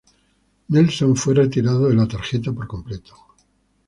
Nelson fue retirado de la tarjeta por completo.